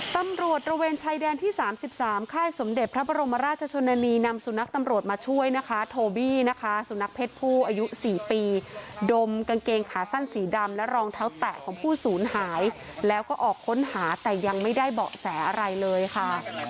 ตำรวจระเวนชายแดนที่๓๓ค่ายสมเด็จพระบรมราชชนนานีนำสุนัขตำรวจมาช่วยนะคะโทบี้นะคะสุนัขเพศผู้อายุ๔ปีดมกางเกงขาสั้นสีดำและรองเท้าแตะของผู้ศูนย์หายแล้วก็ออกค้นหาแต่ยังไม่ได้เบาะแสอะไรเลยค่ะ